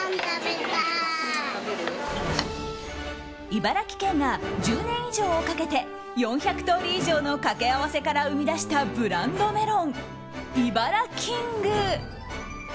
茨城県が１０年以上をかけて４００通り以上の掛け合わせから生み出したブランドメロンイバラキング。